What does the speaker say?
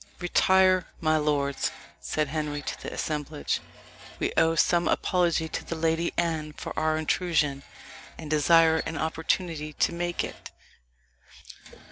"Retire, my lords," said Henry to the assemblage; "we owe some apology to the Lady Anne for our intrusion, and desire an opportunity to make it."